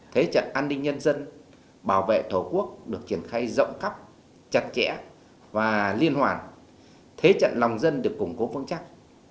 thế chất an ninh nhân dân bảo vệ thổ quốc được triển khai rộng khắp chặt chẽ và liên hoàn thế chất lòng dân được củng cố vững chắc